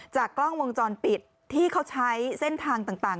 กล้องวงจรปิดที่เขาใช้เส้นทางต่าง